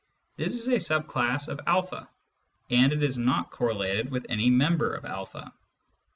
This is a sub class of a, and it is not correlated with any member of a.